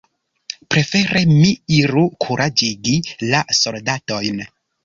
Prefere mi iru kuraĝigi la soldatojn.